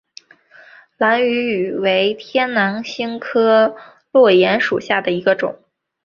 兰屿芋为天南星科落檐属下的一个种。